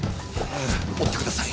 追ってください。